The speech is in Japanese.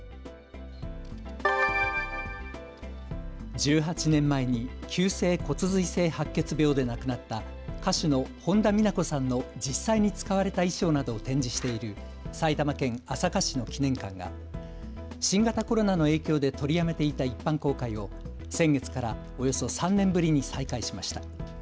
１８年前に急性骨髄性白血病で亡くなった歌手の本田美奈子．さんの実際に使われた衣装などを展示している埼玉県朝霞市の記念館が新型コロナの影響で取りやめていた一般公開を先月からおよそ３年ぶりに再開しました。